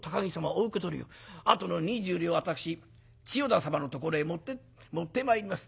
あとの二十両は私千代田様のところへ持ってまいります。